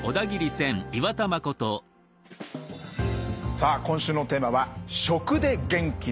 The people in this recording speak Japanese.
さあ今週のテーマは「『食』で元気に！」